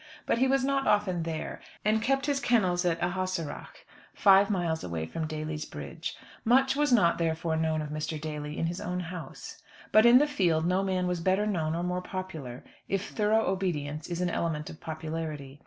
But he was not often there, and kept his kennels at Ahaseragh, five miles away from Daly's Bridge. Much was not therefore known of Mr. Daly, in his own house. But in the field no man was better known, or more popular, if thorough obedience is an element of popularity.